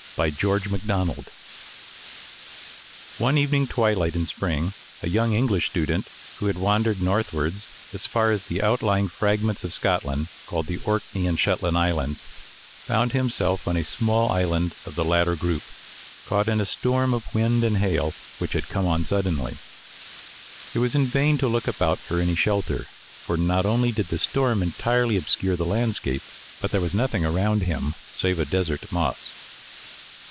THE GRAY WOLF One evening twilight in spring, a young English student, who had wandered northwards as far as the outlying fragments of Scotland called the Orkney and Shetland Islands, found himself on a small island of the latter group, caught in a storm of wind and hail, which had come on suddenly. It was in vain to look about for any shelter; for not only did the storm entirely obscure the landscape, but there was nothing around him save a desert moss.